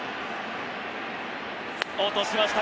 落としました。